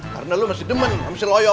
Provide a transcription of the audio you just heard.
karena lo masih demen masih loyo